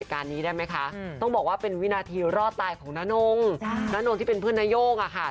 การนี้ได้ไหมคะต้องบอกว่าเป็นวินาทีรอดตายของน้านงน้านงที่เป็นเพื่อนนโย่งอะค่ะ